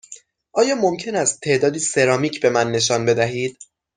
آیا ممکن است تعدادی سرامیک به من نشان بدهید؟